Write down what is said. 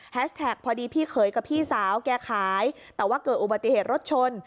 พอดีพี่เขยกับพี่สาวแกขายแต่ว่าเกิดอุบัติเหตุรถชน